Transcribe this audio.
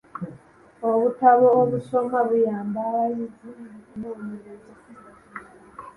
Obutabo obusomwa buyamba abayizi mu kunoonyereza.